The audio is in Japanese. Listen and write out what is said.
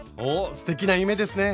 すてきな夢ですね。